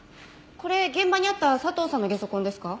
これ現場にあった佐藤さんのゲソ痕ですか？